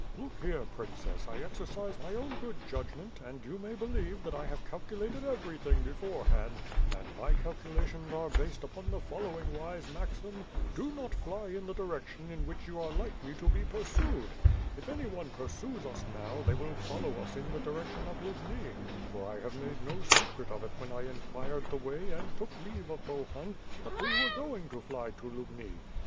"Look here, Princess, I exercise my own good judgmeent and you may believe that I have calculated everything before hand, and my calculations are based upon the following wise maxim: "Do not fly in the direction in which you are likely to be pursued; if anyone pursues us now, they will follow us in the direction of Lubni, for I made no secret of it when I inquired the way and took leave of Bohun, that we were going to fly to Lubni.